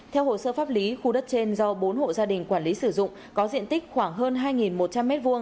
theo hồ sơ pháp lý khu đất trên do bốn hộ gia đình quản lý sử dụng có diện tích khoảng hơn hai một trăm linh m hai